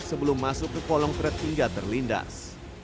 sebelum masuk ke kolong truk hingga terlindas